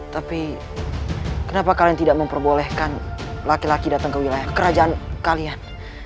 tapi kenapa kalian tidak memperbolehkan laki laki datang ke wilayah kerajaan kalian